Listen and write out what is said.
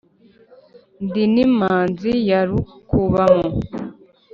Ndi n' Imanzi ya Rukubamo